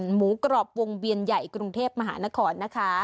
หมูกรอบวงเวียนใหญ่กรุงเทพมหานครนะคะ